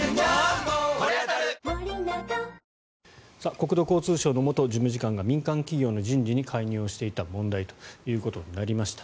国土交通省の元事務次官が民間企業の人事に介入をしていた問題ということになりました。